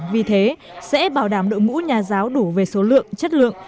vì thế sẽ bảo đảm đội ngũ nhà giáo đủ về số lượng chất lượng